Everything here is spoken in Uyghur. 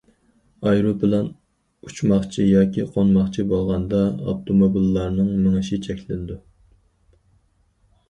ئايروپىلان ئۇچماقچى ياكى قونماقچى بولغاندا ئاپتوموبىللارنىڭ مېڭىشى چەكلىنىدۇ.